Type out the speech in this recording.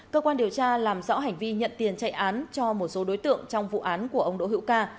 cơ quan điều tra làm rõ hành vi nhận tiền chạy án cho một số đối tượng trong vụ án của ông đỗ hữu ca